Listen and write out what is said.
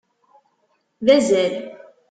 D azal.